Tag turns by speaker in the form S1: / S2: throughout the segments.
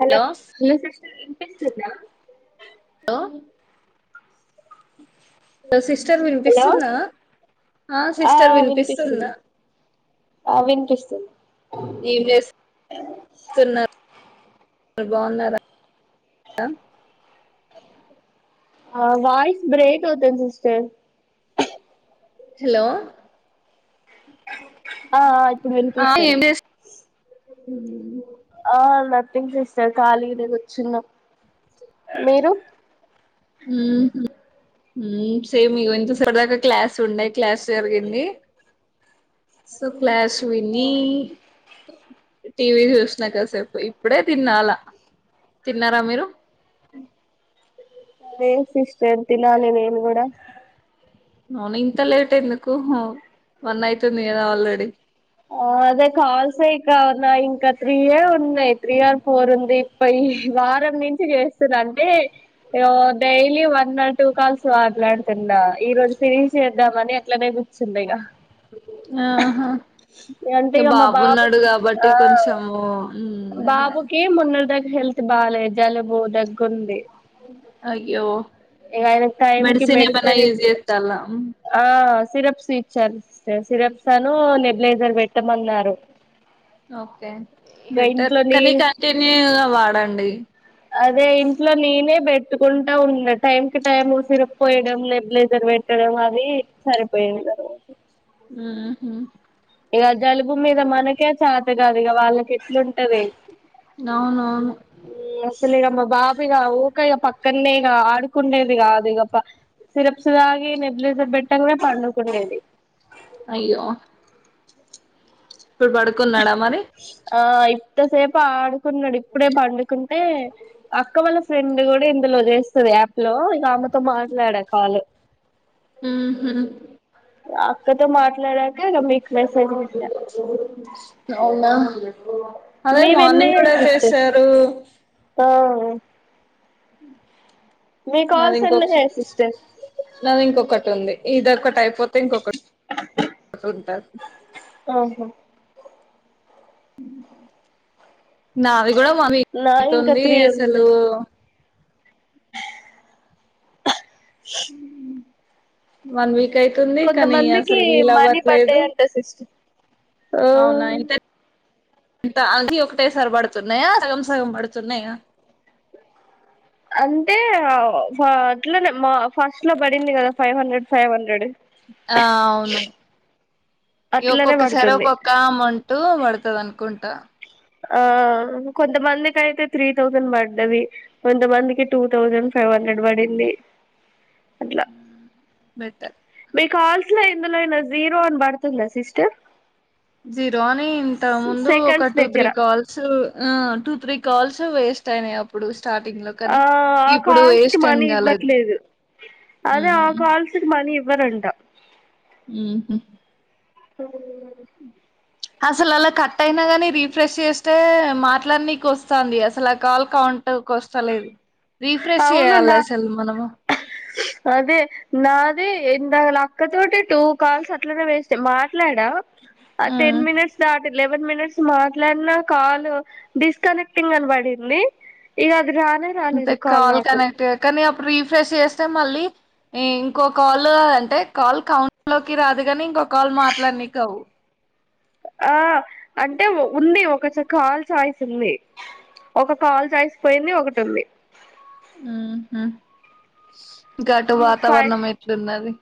S1: hello మీ అసల్ ఇంపిసుంద
S2: అ హలో సిస్టర్
S1: హలో
S2: వినిపిస్తుందా ఆ సిస్టర్ వినిపిస్తుంద
S1: ఆ వినిపిస్తుంది
S2: ఏం మీర్ బాగున్నర అ
S1: ఆ వాయిస్ బ్రేక్ అవుతుంది సిస్టర్
S2: హలో
S1: ఆ ఆ ఇప్పుడు వినిపిస్తుంది
S2: ఊ
S1: ఏం జేస్తాలే ఖాళీగనే కూర్చున్నం మీరు
S2: ఊహు ఊ సేమ్ ఇగో ఇంత సరదాకా క్లాస్ ఉండే క్లాస్ జరిగింది సొ క్లాస్ విని టీవీ చూసినా కాసేపు ఇప్పుడే తిన్న అల తిన్నరా మీరు
S1: అ లేదు సిస్టర్ తినాలే నేన్ కూడా
S2: అవున ఇంత లేట్ ఎందుకు వన్ అయితుంది కదా ఆల్రెడీ
S1: ఆ అదే కాల్స్ ఏ ఇంకా నాయింకా త్రీయే ఉన్నాయ్ త్రీ ఆర్ ఫోర్ ఉంది పయి వారం నుంచి చేస్తున్న అండీ ఇగ daily one or two calls మాట్లాడుతున్న ఈ రోజు ఫినిష్ చేద్దామని అట్లనే పిచ్చిందిగా
S2: ఆహా
S1: అంటే ఇగ మా
S2: బాబున్నాడు
S1: బాబుకి ఆ
S2: కాబట్టి కొంచెము మ్మ్ అదే
S1: బాబుకి మొన్న నాక్ హెల్త్ బాలేదు జలుబు దగ్గుంది
S2: అయ్యో
S1: ఇగ ఐనకి టైంకి
S2: మెడిసిన్ ఏమైనా
S1: మెడిసన్
S2: యూజ్
S1: ఇచ్చి
S2: చేస్తాలా
S1: ఆ సిరప్స్ నిచ్చారు సిరప్స్ అను నెగ్లెజర్ పెట్టమన్నారు
S2: ఓకే
S1: ఇగ
S2: బెటర్
S1: ఇంట్లో
S2: కానీ
S1: నేను
S2: కంటిన్యూగా వాడండి
S1: అదే ఇంట్ల నేనే పెట్టుకుంటా ఉన్నా టైం కి టైం సిరప్ పోయడం నెగ్లెజర్ వెట్ పెట్టడం అది సరిపోయింది ఆ రోజు
S2: ఊహు
S1: ఇగ జలుబు మీద మనకే చాత కాదు ఇక వాళ్ళకి ఎట్లుం
S2: అవునవును
S1: అసలే మా బాబు ఇగ ఇకా పక్కనే ఇక ఆడుకుండేది కాదు ఇగ సిరప్స్ తాగి న్యూబ్లైజర్ పెట్టగానే పడుకునేది
S2: అయ్యో ఇప్పుడు పడుకున్నాడా మరి
S1: ఆ ఇంతసేపు ఆడుకున్నాడు ఇప్పుడే పండుకుని ఏ అక్క వాళ్ళ ఫ్రెండ్ కూడా ఇందులో చేేస్తద హలో ఇంక ఆమెతో మాట్లాడా కాల్
S2: హ్మ్ హ్మ
S1: అక్కతో మాట్లాడాక ఇక మీకు మెసేజ్ పెట్టా
S2: అవునా అదే మార్నింగ్
S1: మీవెన్నయ్యాయి
S2: కూడా
S1: సిస్టర్
S2: చేసారు
S1: ఆ మీ
S2: నాది
S1: కాల్స్
S2: ఇంకొక
S1: అన్ని చేయి సిస్టర్
S2: నాది ఇంకొకటి ఉంది ఇదిొ ఒకటి అయిపోతే ఇంకొకటి ఉంటాది
S1: ఆహా
S2: నాది కూడా మనీ
S1: నాయి ఇంకా
S2: తుంది
S1: త్రీ
S2: అసలు
S1: ఉన్నాయి
S2: వన్ వీక్ అవుతుంది కానీ
S1: కొంతమందికి
S2: అసలు వీలు
S1: మనీ
S2: అవ్వట్లేదు
S1: పడ్డాయంట సిస్టర్
S2: అవునా
S1: ఆ
S2: ఎంత ఎంత అన్ని ఒకటేసారి పడుతున్నాయా సగం సగం పడుతున్నాయా
S1: అంటే ఆ అట్లానే ఫస్ట్ లో పడింది కదా ఫైవ్ హండ్రెడ్ ఫైవ్ హండ్రెడ్
S2: ఆ అవును
S1: అట్లనే
S2: ఒక్కొక్కసారి
S1: పడుతుంది
S2: ఒక్కో అమౌంట్ పడుతంది అనుకుంటా
S1: ఆ కొంతమందికి అయితే త్రీ థౌసండ్ పడ్డది కొంతమందికి టూ థౌజండ్ ఫైవ్ హండ్రెడ్ పడింది అట్లా
S2: బెటర్
S1: మీ కల్స్ లో ఎందులోఅయినా జీరో అని పడుతుందా సిస్టర్
S2: జీరో అని ఇంత ముందు ఒక
S1: సెకండ్స్
S2: టూ త్రీ
S1: దగ్గర
S2: కాల్స్ ఆ టూ త్రీ కాల్స్ వేస్ట్ అయినాయి అప్పుడు స్టార్టింగ్ లో
S1: ఆ
S2: కానీ
S1: ఆ
S2: ఇప్పుడు
S1: కాల్స్ కి
S2: వేస్ట్ ఏం
S1: మనీ
S2: కాలేదు
S1: ఇవ్వట్లేదు అదే ఆ
S2: ఉమ్
S1: కాల్స్ కి మణి ఎవ్వరంట
S2: హ్మ్ హ్మ
S1: చల్లగా ఉంది
S2: అసలు అలా కట్ అయినా కాని రీఫ్రెష్ చేస్తే మాట్లాడనీకు వస్తుంది అసలు ఆ కాల్ కౌట్ [unintelligible] వస్తాలేదు
S1: అవును నా అదే నాది ఇందకల అక్క తోటి టూ కాల్స్ అట్లానే వేస్ట్ మాట్లాడా ఆ టెన్
S2: ఉమ్
S1: మినిట్స్ దాటి ఎలెవెన్ మినిట్స్ మాట్లాడిన కాల్ డిస్కనెక్టింగ్ అని పడింది ఈగ అది రానే
S2: అంతే
S1: రాలేదు
S2: కాల్ కనెక్ట్ కానీ అప్పుడు రీఫ్రెష్ చేస్తే మళ్ళీ ఏ ఇంకో కాల్ అంటే కాల్ కౌంట లోకి రాదు కాని ఇంకో కాల్ మాట్లాడికి అవు
S1: ఆ అంటే ఉంది ఒక చ కాల్ చాయిస్ ఉంది ఒక కాల్ చాయిస్ పోయింది ఒకటి ఉంది
S2: హ్మ్ హ్మ ఇంకా అటు వాతావరణం ఎట్లున్నది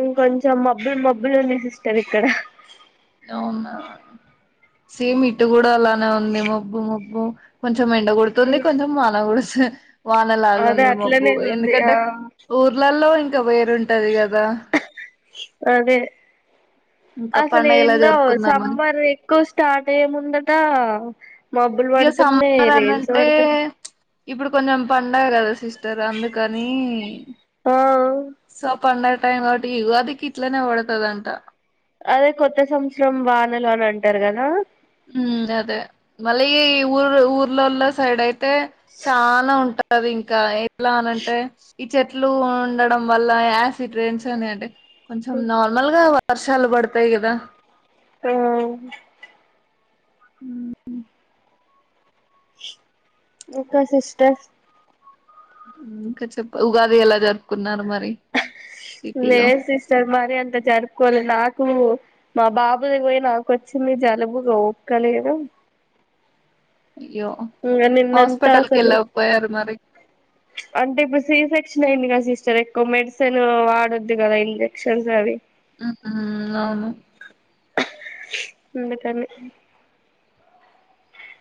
S1: ఇంక కొంచం మబ్బులు మబ్బులు ఉంది సిస్టర్ ఇక్కడ
S2: అవునా సేమ్ ఇటు కూడా అలానే ఉంది మబ్బు మబ్బు కొంచ కొంచెం ఎండ కోడుతుంది కొంచెం వాన కుడుస్తుంది వాన లాగ
S1: అదే
S2: ఉంది
S1: అట్లనే
S2: మబ్బుగ్
S1: ఉంది ఆ
S2: ఎందుకంటే ఊర్లలో ఇంకా వేరుంటది కదా
S1: అదే
S2: ఇంకా
S1: అసలు
S2: పండగ
S1: ఏం
S2: ఎలా
S1: కావు
S2: జరుపుకుందామని
S1: సమ్మర్ ఎక్కువ స్టార్ట్ అయ్యే ముందట మబ్బులు
S2: ఇగ
S1: పడుతున్నాయి
S2: సమ్మర్ అని
S1: రైన్స్
S2: అంటే
S1: పడుతున్నాయి
S2: ఇప్పుడు కొంచెం పండగ కదా సిస్టర్ అందుకని
S1: ఆ
S2: సప్ పండగ టైం కాబటి యుగాదికి ఇట్లనే పడతాది అంటా
S1: అదే కొత్త సంవత్సరం వానలు అని అంటారు కదా
S2: ఉమ్ అదే మళ్ళి ఊరు ఊర్లోల్లో సైడ్ అయితే చానా ఉంటా టాది ఇంకా ఎలా అని అంటే ఈ చెట్లు ఉండడం వల్ల యాసిడ్ రెయిన్స్ అనేటి అంటే కొంచెం నార్మల్ గా వర్షాలు బడతాయి కదా
S1: ఆ
S2: ఊహూ
S1: ఇంకా సిస్టర్
S2: ఊ ఇంకా చెప్పు ఉగాది ఎలా జరుపుకున్నారు మ
S1: లేదు సిస్టర్ మరీ అంత జరుపుకోలే నాకూ మా బాబుది పోయి నాకొచ్చింది జలుబు ఓపిక లేదు
S2: అయ్యో
S1: నిన్నంతా
S2: హాస్పెటల్
S1: అసలు
S2: ఎల్లక పోయారు మరి
S1: అంటే ఇప్పుడు సి సెక్షన్ అయ్యింది గా సిస్టర్ ఎక్కువ మెడిసిన్ వాడొద్దు కదా ఇంజెక్షన్స్ అవి
S2: ఉ ఊ అవును
S1: అందుకని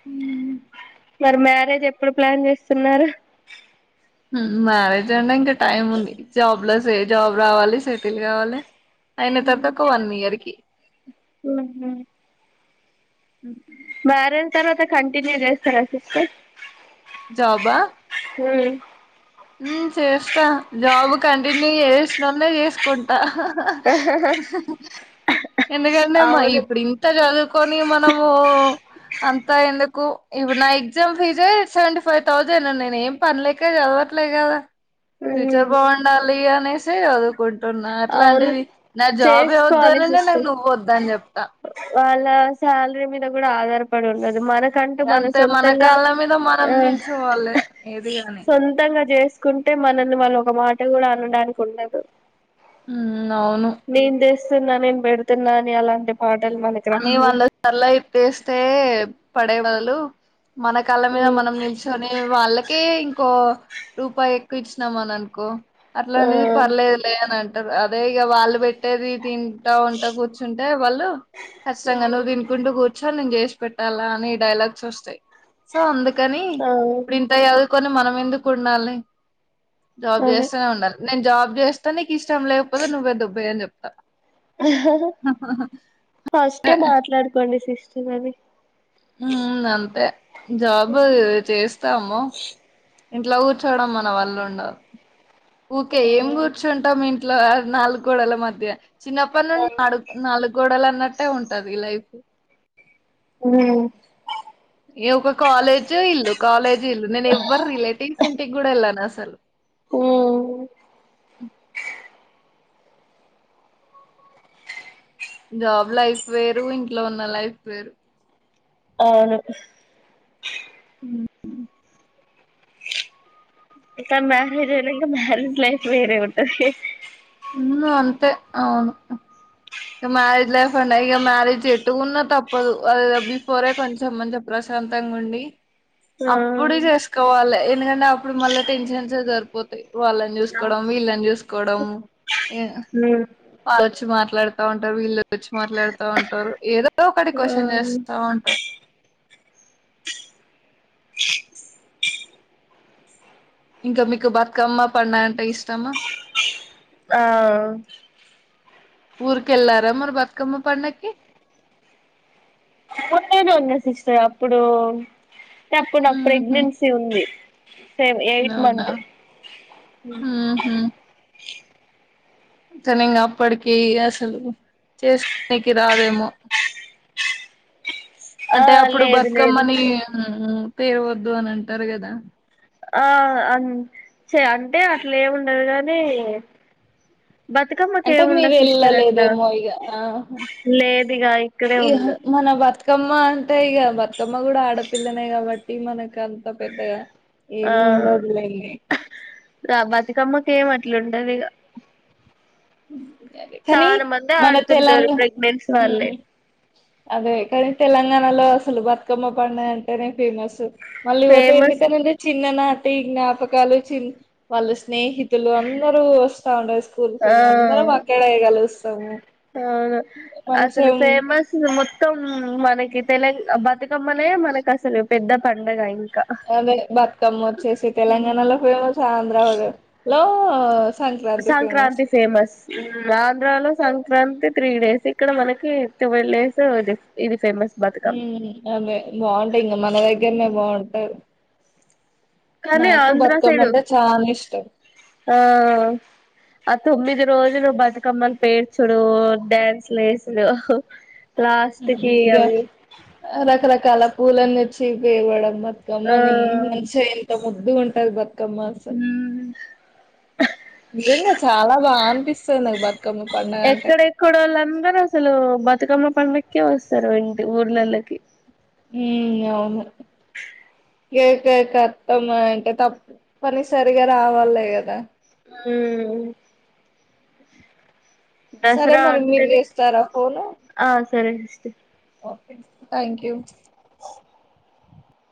S2: ఊ
S1: మరి మ్యారేజ్ ఎప్పుడు ప్లాన్ చేస్తున్నారు
S2: హుమ్ మ్యారేజ్ అంటే ఇంకా టైం ఉంది జాబ్ లో సే జాబ్ రావాలి సెటిల్ కావాలి అయిన తర్త ఒక వన్ ఇయర్ కి
S1: మ్యార్ అయిన తర్వాత కంటన్యూ చేస్తారా సిస్టర్
S2: జాబ్ ఆ
S1: ఊ
S2: ఉమ్ చేస్తా జాబ్ కంటిన్యూ చేసినోన్నే చేసుకుంటా ఎందుకంటే మ
S1: అవును
S2: ఇప్పుడు ఇంత చదువుకోని మనము అంతా ఎందుకు ఇప్పుడు నా ఎగ్జామ్ ఫీజే సెవెంటీ ఫైవ్ థౌజండ్ నేను ఏం పనిలేకే చదవ ట్లే కదా ఫ్యూచర్ బావుండాలి అనేసే [inaudible] కుంటున్నా
S1: అవును
S2: అట్లాంటిది నా జాబ్ ఏ వద్దు
S1: చేసుకోవాలి
S2: [unintelligible]
S1: సిస్టర్
S2: నువ్వు వద్దు అని చెప్తా
S1: వాళ్ళ శాలరీ మీద కూడా ఆధారపడి ఉండ మనకంటూ మన
S2: అంతే
S1: సొంతంగా
S2: కాళ్ళ మీద మనం
S1: ఆ
S2: నిల్చోవాలి ఏది గాని
S1: సొంతంగా చేస్ కుంటే మనల్ని మనం ఒక మాట కూడా అనడానికి ఉండదు
S2: ఉమ్ అవును
S1: నేను తెస్తున్నా నేను పెడుతున్నా అని అలాంటి పాటలు మనకి
S2: అనే
S1: రావు
S2: వాళ్ళ [inaudible] ప్పేస్తే పడే బదులు మన కాళ్ళ మీద మనం నిల్చోనే వాళ్ళకే ఇంకో రూపాయి ఎక్కువ ఇచ్చినామ అని అనుకో
S1: ఆ
S2: అట్లాంటిది పర్లేదులే అని టరు అదే ఇగ వాళ్ళు పెట్టేది తింటా ఉంటే కూర్చుంటే వాళ్ళు కష్టంగా నువ్వు తినుకుంటూ కూర్చోని నేను చేసి పెట్టాలా అనే డైలాగ్స్ వస్తాయి సో అందుకని
S1: ఆ
S2: ఇప్పుడు ఇంత చదువుకొని మనం ఎందుకు ఉండాలి జాబ్
S1: అదే
S2: చేస్తూనే ఉండాలి నేను జాబ్ చేస్తా నీకు ఇష్టం లేకపోతే నువ్వే దొబ్బేయ్ అని చెప్తా
S1: ఫస్టే మాట్లాడుకోండి సిస్టర్ అది
S2: ఉమ్ అంతే జాబు చేస్తాము ఇంట్లో కూర్చోవడం మన వల్ల ఉండదు ఊకే ఏం
S1: అది
S2: కూర్చుంటాం ఇం ట్లో నాలుగు గోడల మధ్య చిన్నప్పటి నుం [unintelligible] నాలుగు గోడల న్నట్టే ఉంటది లైఫ్
S1: మ్
S2: న ఒక కాలేజ్ ఇల్లు కాలేజీ ఇల్లు నేను ఎవ్వరు రిలేటివ్స్ ఇంటికి కూడా వెళ్ళాను అసలు
S1: మ్
S2: జాబ్ లైఫ్ వేరు ఇంట్లో ఉన్న లైఫ్ వేరు
S1: అవును ఇక మ్యారేజ్ అయినంకా మ్యారిడ్ లైఫ్ వేరే ఉంటది
S2: మ్ అంతే అవును ఇక మ్యారేజ్ లైఫ్ అంట ఇక మ్యారేజ్ ఎట్టుకున్నా తప్పదు ఆడేది బిఫోరే కొంచెం ఇంత ప్రశా శాంతాంగుండి
S1: ఆ
S2: అప్పుడు చేసుకోవాలి ఎందుకంటే అప్పుడు మళ్ళీ టెన్షన్స్ సరిపోతాయి వాళ్ళని చూసుకోవడం పీల్లని చూసుకోవడం
S1: ఉమ్
S2: వాళ్ళుచ్చి మాట్లాడుతా ఉంటారు వీళ్ళు వచ్చి మాట్లాడుతా ఉంటారు ఏదో ఒకటి క్వశ్చన్ చేస్తా ఉంటారు ఇంకా మీకు బతుకమ్మ పండగా అంటే ఇష్టమా
S1: ఆ
S2: ఊరికెళ్లార మరి బతుకమ్మ పండక్కి
S1: నో సిస్టర్ అప్పుడు అంటే అప్పుడు నాకు
S2: ఉహు
S1: ప్రెగ్నెన్సీ ఉంది సెవ్ ఎయిట్
S2: అవునా
S1: మంత్
S2: తను ఇంకా అప్పటికి అసలు చేసుకోనికి రాదేమో
S1: ఆ
S2: అంటే అప్పుడు
S1: లేదు లేదు
S2: బతుకమ్మని మ్ తేవద్దు అని అంటారు కదా
S1: ఆ అ చే అంటే అట్లా ఏమిండదు కాని బతుకమ్మకి
S2: అంటే
S1: ఏముండ
S2: మీరు
S1: సిస్టర్ అట్లా
S2: వెళ్ళలేదేమో ఇగ ఆహా
S1: లేదిగా ఇక్కడే
S2: ఇహ
S1: ఉండ
S2: మన బతుకమ్మ అంటే ఇక బతుకమ్మ కూడా ఆడపిల్లనే కాబట్టి మనకు ఇంకా అంత పెద్దగా ఏమి ఉండదు లెండి
S1: రా బతుకమ్మకి ఏం అట్లుండదు ఇగ
S2: అదే కానీ
S1: చాలా మంది
S2: మన
S1: ఆడుతుంటారు
S2: తెలంగాణ
S1: ప్రెగ్నెన్సీ వాళ్ళే
S2: మ్ అదే కానీ తెలంగాణలో అసలు బతుకమ్మ పండుగ అంటేనే ఫేమస్ మళ్ళీ వోతే
S1: ఫేమస్
S2: ఎందుకండి చి చిన్ననాటి జ్ఞాపకాలు చిన్ వాళ్ళు స్నేహితులు అందరూ వస్తా ఉండారు స్కూల్
S1: ఆ
S2: పోయి అందరం అక్కడే కలుస్తాము
S1: అవును అసలు
S2: మంచం
S1: ఫేమస్ మొత్తం మనకి తెల బతుకమ్మనే మనకు అసలు పెద్ద పండగ అయింది
S2: అదే బతుకమ్మ వచ్చేసి తెలంగాణలో ఫేమస్ ఆంధ్ర లో
S1: సంక్రాంతి ఫేమస్ ఆంధ్రాలో సంక్రాంతి త్రీ డేస్ ఇక్కడ మనకి ట్వెల్వ్ డేస్ ఇది ఫేమస్ బతుకమ్మ
S2: మ్ అదే బాగుంటాయి ఇంకా మన దగ్గరనే బాగుంటది
S1: కనీ ఆంధ్ర సైడు
S2: అంటే చాలా ఇష్టం
S1: ఆ ఆ తొమ్మిది రోజులు బతుకమ్మలు పేర్చుడు డ్యాన్స్ లేసుడు
S2: ఇగా రకరకాల పూలన్న వచ్చి పేవడం
S1: ఆ
S2: బతుకమ్మని మన్షా ఎంత ముద్దుగు ఉంటది బతుకమ్మ అసల్
S1: మ్మ్
S2: నిజంగా చాలా బా అనిపిస్తుంది నాకు బతుకమ్మ పండగ అంటే
S1: ఎక్కడెక్కడోళ్ళు అందరూ అసలు బతుకమ్మ పండకే వస్తారు ఇంటి ఊర్లల్లోకి
S2: ఉమ్ అవును ఏక ఏక అత్తమా అంటే తప్పని సరిగా రావాల గదా
S1: మ్మ్
S2: సరే
S1: దసరా
S2: మరి మీరు
S1: అంటేనే
S2: చేస్తారా ఫోన్
S1: ఆ సరే సిస్టర్
S2: ఓ థ్యాంక్ యూ